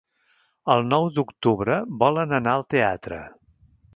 El nou d'octubre volen anar al teatre.